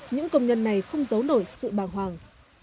những công nhân này không giấu nổi sự bàng hoàng